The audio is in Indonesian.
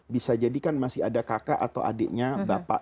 bisa jadi kan masih ada kakak atau adiknya bapak